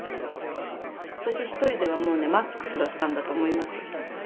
私一人ではもうねマックスだったんだと思います。